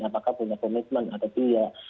apakah punya komitmen atau tidak